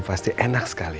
pasti enak sekali